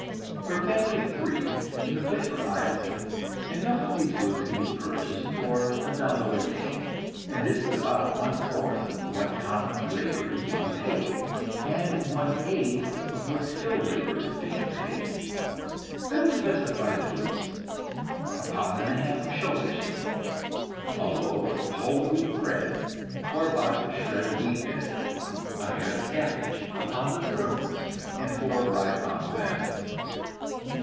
For a family of three, in the place where I live, enough of these foods can be purchased for a dollar a day, and this is about one fourth what common labor is being paid, and one eighth of what skilled labor is being paid. I will specify the foods: a pound and a half of shoulder steak, a loaf of whole wheat bread or a box of shredded wheat biscuit, a head of cabbage, a pound of prunes, and four or five pounds of apples.